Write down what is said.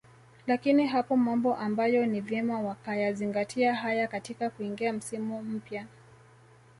lakini yapo mambo ambayo ni vyema wakayazingatia haya katika kuingia msimu mpya